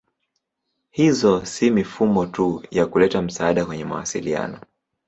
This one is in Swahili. Hizo si mifumo tu ya kuleta msaada kwenye mawasiliano.